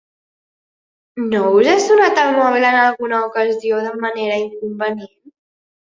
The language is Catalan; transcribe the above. No us ha sonat el mòbil en alguna ocasió de manera inconvenient?